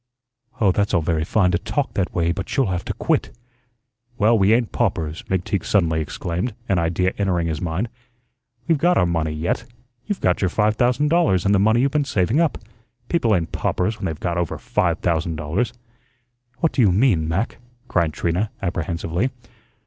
"Oh, that's all very fine to talk that way, but you'll have to quit." "Well, we ain't paupers," McTeague suddenly exclaimed, an idea entering his mind. "We've got our money yet. You've got your five thousand dollars and the money you've been saving up. People ain't paupers when they've got over five thousand dollars." "What do you mean, Mac?" cried Trina, apprehensively.